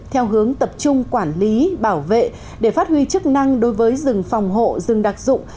theo hướng tập trung quản lý bảo vệ để phát huy chức năng đối với rừng phòng hộ rừng đặc dụng